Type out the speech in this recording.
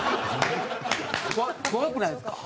怖くないですか？